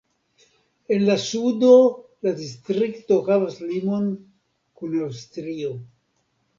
En la sudo la distrikto havas limon kun Aŭstrio.